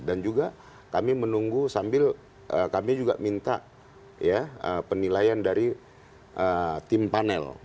dan juga kami menunggu sambil kami juga minta ya penilaian dari tim panel